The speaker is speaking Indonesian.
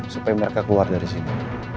supaya mereka keluar dari sini